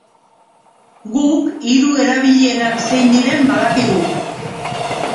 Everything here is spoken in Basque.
Guk hiru erabilienak zein diren badakigu.